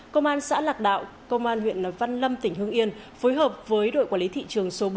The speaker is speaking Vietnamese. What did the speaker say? công an xã lạc đạo công an huyện văn lâm tỉnh hương yên phối hợp với đội quản lý thị trường số bốn